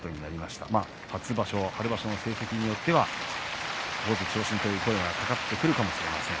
初場所、春場所の成績によっては大関昇進という声が上がってくるかもしれません。